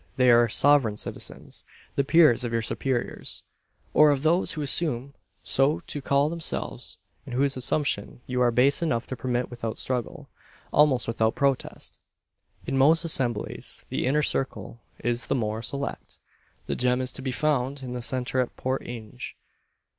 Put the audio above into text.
They are "sovereign citizens" the peers of your superiors, or of those who assume so to call themselves, and whose assumption you are base enough to permit without struggle almost without protest! In most assemblies the inner circle is the more select. The gem is to be found in the centre at Port Inge.